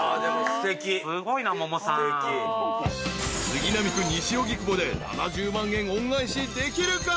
［杉並区西荻窪で７０万円恩返しできるか？］